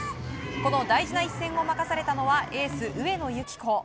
この大事な一戦を任されたのはエース、上野由岐子。